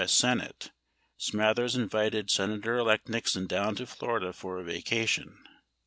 S. Senate, Smathers invited Senator elect Nixon down to Florida for a vacation.